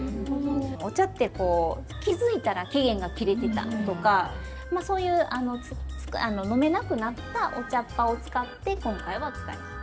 お茶ってこう気付いたら期限が切れてたとかそういう飲めなくなったお茶っぱを使って今回は使います。